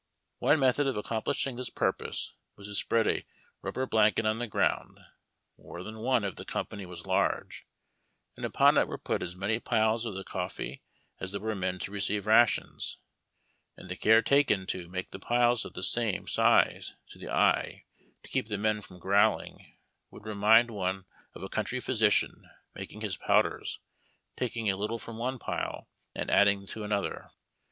One method of accomplishing this purpose was to spread a rub ber blanket on the ground, — more than one if the company was large, — and upon it were put as many piles of the coffee as there were men to receive rations ; and the care taken to make the piles of the same size to the eye, to keep the men from growling, would remind one of a country physician making his powders, taking a little from one pile and adding to another.